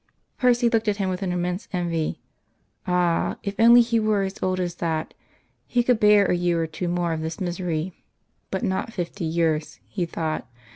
Percy looked at him with an immense envy. Ah! if only he were as old as that! He could bear a year or two more of this misery, but not fifty years, he thought.